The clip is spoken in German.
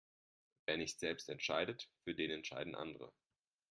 Wer nicht selbst entscheidet, für den entscheiden andere.